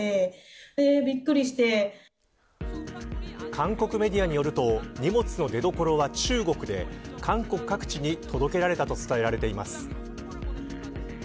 韓国メディアによると荷物の出どころは中国で韓国各地に届けられたと伝えられています。